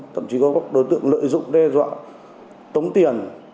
thậm chí có các đối tượng lợi dụng đe dọa tống tiền